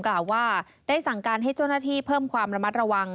กล่าวว่าได้สั่งการให้เจ้าหน้าที่เพิ่มความระมัดระวัง